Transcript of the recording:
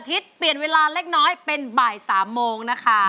เปลี่ยนเวลาเล็กน้อยเป็นบ่าย๓โมงนะคะ